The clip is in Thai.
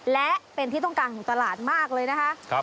และเป็นที่ต้องการของตลาดมากเลยนะคะ